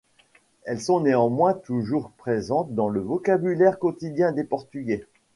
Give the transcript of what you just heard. Elles sont néanmoins toujours présentes dans le vocabulaire quotidien des Portugais.